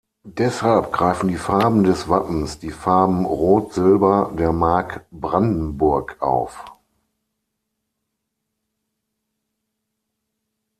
Deshalb greifen die Farben des Wappens die Farben Rot-Silber der Mark Brandenburg auf.